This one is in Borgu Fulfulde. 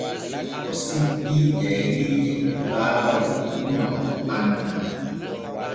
O sippi jayriije ɗe baaba wooduno o annaa.